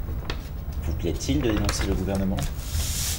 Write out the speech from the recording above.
Vous plaît-il de dénoncer le gouvernement?